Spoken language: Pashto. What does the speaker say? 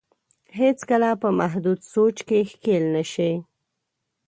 هېڅ کله په محدود سوچ کې ښکېل نه شي.